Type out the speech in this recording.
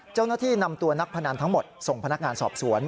เจ้าหน้าที่นำตัวนักพนันทั้งหมดส่งพนักงานสอบสวน